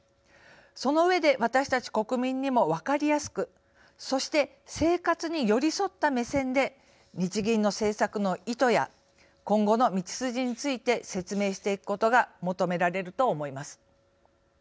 その上で私たち国民にもわかりやすくそして、生活に寄り添った目線で日銀の政策の意図や今後の道筋について説明していくことが求められると思います。